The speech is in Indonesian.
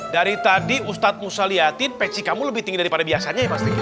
dari tadi ustadz musa liatin peci kamu lebih tinggi daripada biasanya ya mas riki